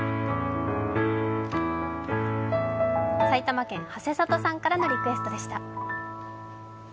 埼玉県、はせさとさんからのリクエストでした。